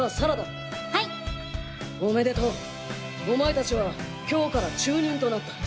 おめでとうお前たちは今日から中忍となった。